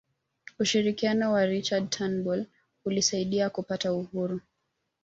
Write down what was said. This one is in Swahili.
ushirikiano wa richard turnbull ulisaidia kupata uhuru